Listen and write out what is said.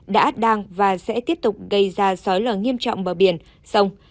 đã đang và sẽ tiếp tục gây ra sói lở nghiêm trọng bờ biển sông